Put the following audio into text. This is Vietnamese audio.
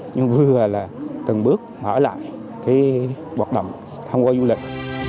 nhưng vừa là từng bước mở lại cái hoạt động thông qua du lịch